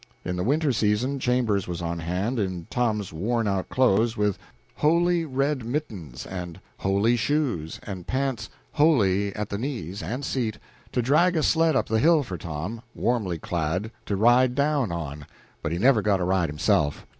In the winter season Chambers was on hand, in Tom's worn out clothes, with "holy" red mittens, and "holy" shoes, and pants "holy" at the knees and seat, to drag a sled up the hill for Tom, warmly clad, to ride down on; but he never got a ride himself.